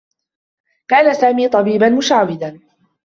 كان سامي طبيبا مشعوذا.